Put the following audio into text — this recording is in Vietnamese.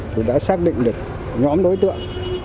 thì đã xác định được nhóm đối tượng